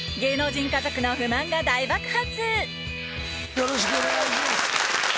よろしくお願いします。